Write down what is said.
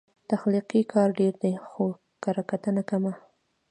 تخلیقي کار ډېر دی، خو کرهکتنه کمه